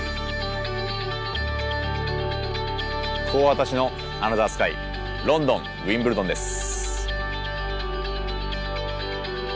ここが私のアナザースカイロンドンウィンブルドンです。